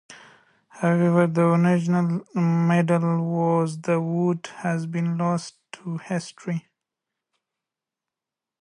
However, the original medal with the wood has been lost to history.